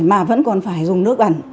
mà vẫn còn phải dùng nước ăn